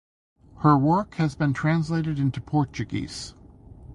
Her work has been translated into Portuguese.